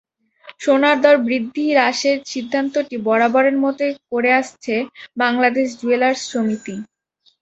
সোনার দর বৃদ্ধি হ্রাসের সিদ্ধান্তটি বরাবরের মতো করে আসছে বাংলাদেশ জুয়েলার্স সমিতি।